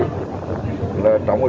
tống thì ngay quá